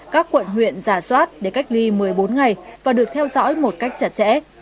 các quận huyện giả soát để cách ly một mươi bốn ngày và được theo dõi một cách chặt chẽ